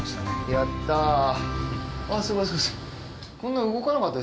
やった。